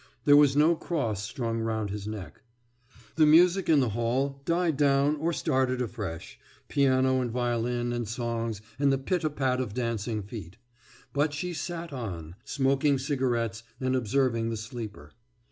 There was no cross strung round his neck. The music in the hall died down or started afresh piano and violin and songs and the pit a pat of dancing feet; but she sat on, smoking cigarettes and observing the sleeper.